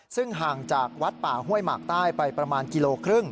ซึ่งห่างจากวัดป่าห้วยหมากใต้ไปประมาณกิโลครึ่ง